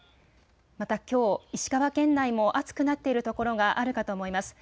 また、きょう石川県内も暑くなっているところがあるかと思います。